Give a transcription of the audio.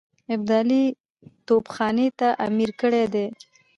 ابدالي توپخانې ته امر کړی دی.